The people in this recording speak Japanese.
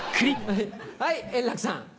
はい円楽さん。